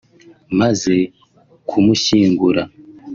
Maze kumushyingura